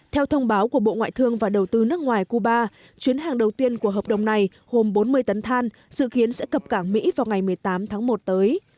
theo thông báo của bộ ngoại thương và đầu tư nước ngoài cuba chuyến hàng đầu tiên của hợp đồng này gồm bốn mươi tấn than dự kiến sẽ cập cảng mỹ vào ngày một mươi tám tháng một tới